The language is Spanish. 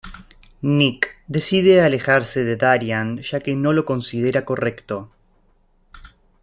Nick decide alejarse de Darian ya que no lo considera correcto.